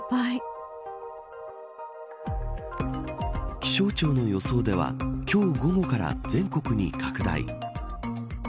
気象庁の予想では今日午後から全国に拡大。